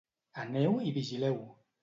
Aneu i vigileu!